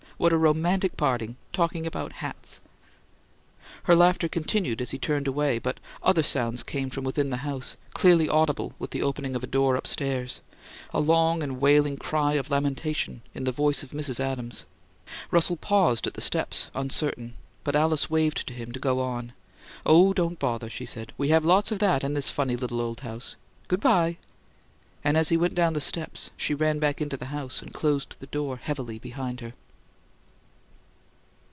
"What a romantic parting talking about HATS!" Her laughter continued as he turned away, but other sounds came from within the house, clearly audible with the opening of a door upstairs a long and wailing cry of lamentation in the voice of Mrs. Adams. Russell paused at the steps, uncertain, but Alice waved to him to go on. "Oh, don't bother," she said. "We have lots of that in this funny little old house! Good bye!" And as he went down the steps, she ran back into the house and closed the door heavily behind her.